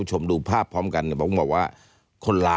ยังอยู่ในกรอบเดิมนะคะ